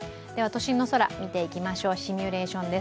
都心の空を見ていきましょう、シミュレーションです。